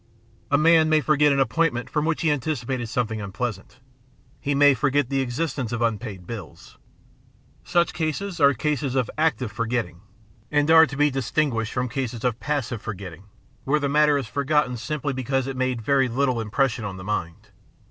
A man may forget an appointment from which he anticipated something un pleasant, he may forget the existence of impaid bills. Such cases are cases of active forgetting, and are to be distinguished from cases of passive forgetting, where the matter is forgotten simply because it made very little impression on the mind.